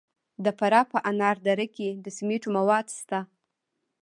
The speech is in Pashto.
د فراه په انار دره کې د سمنټو مواد شته.